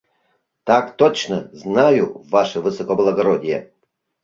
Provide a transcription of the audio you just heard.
— Так точно, знаю, ваше высокоблагородие!